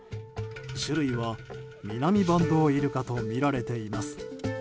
種類はミナミバンドウイルカとみられています。